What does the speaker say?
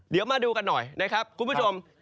เดี๋ยวมาดูกันหน่อยนะครับคุณผู้ชม